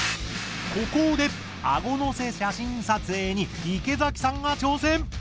ここであごのせ写真撮影に池崎さんが挑戦！